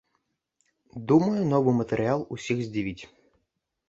Думаю, новы матэрыял усіх здзівіць.